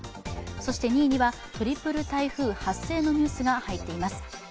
そして２位にはトリプル台風発生のニュースが入っています。